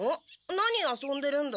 何遊んでるんだ？